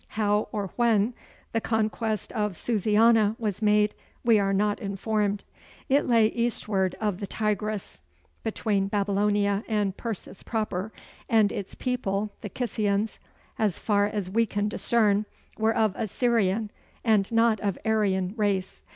How or when the conquest of Susiana was made, we are not informed. It lay eastward of the Tigris, between Babylonia and Persis proper, and its people, the Kissians, as far as we can discern, were of Assyrian and not of Aryan race.